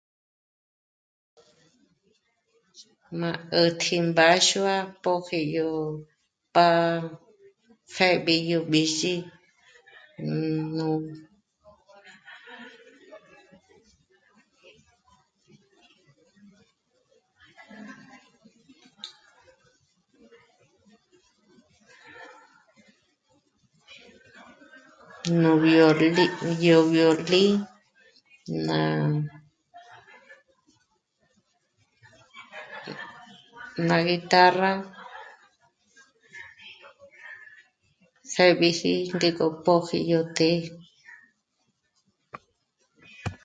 Má 'äjt'i mbáxua pöji yó... pa pjébi yó b'ízhi nú... yó violín, ná guitarra pjë́biji ndík'o pöji yó të́'ë